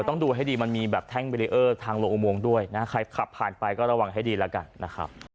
เอ่อต้องดูให้ดีมันมีแบบแท่งทางโลโมงด้วยนะใครขับผ่านไปก็ระวังให้ดีแล้วกันนะครับ